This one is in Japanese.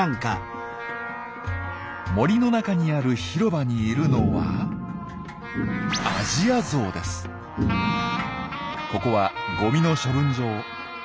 森の中にある広場にいるのはここはゴミの処分場。